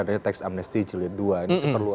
adanya tax amnesty jilid dua ini seperlu